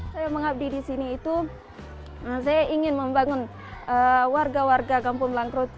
saya mengabdi di sini itu saya ingin membangun warga warga kampung langkrut